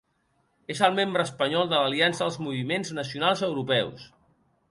És el membre espanyol de l'Aliança dels Moviments Nacionals Europeus.